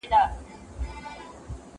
که وخت وي، سبا ته فکر کوم؟!